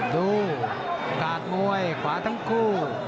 ดูกาดมวยขวาทั้งคู่